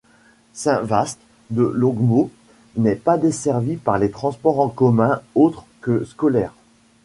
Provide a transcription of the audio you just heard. Saint-Vaast de Longmont n'est pas desservi par les transports en commun autres que scolaires.